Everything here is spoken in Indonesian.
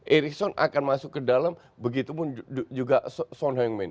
ericsson akan masuk ke dalam begitu pun juga son heung min